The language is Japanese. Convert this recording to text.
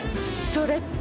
それって。